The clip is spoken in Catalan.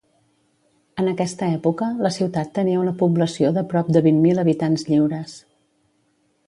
En aquesta època la ciutat tenia una població de prop de vint mil habitants lliures.